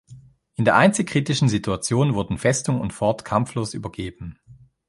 In der einzig kritischen Situation wurden Festung und Fort kampflos übergeben.